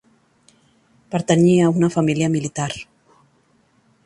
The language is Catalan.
Pertanyia a una família militar.